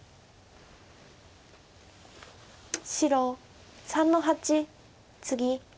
白３の八ツギ。